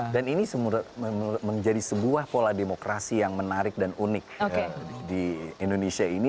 dan ini menjadi sebuah pola demokrasi yang menarik dan unik di indonesia ini